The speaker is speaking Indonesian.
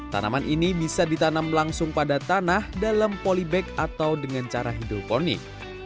tanaman ini bisa ditanam langsung pada tanah dalam polybag atau dengan cara hidroponik